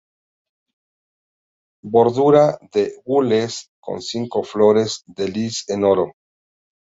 Bordura de gules, con cinco flores de lis en oro.